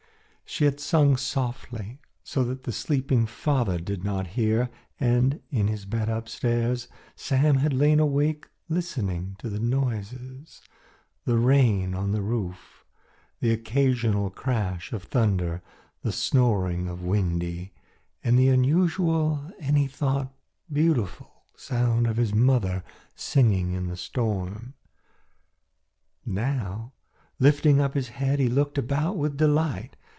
She had sung softly so that the sleeping father did not hear, and in his bed upstairs Sam had lain awake listening to the noises the rain on the roof, the occasional crash of thunder, the snoring of Windy, and the unusual and, he thought, beautiful sound of the mother singing in the storm. Now, lifting up his head, he looked about with delight.